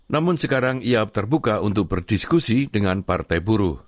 namun sekarang ia terbuka untuk berdiskusi dengan partai buruh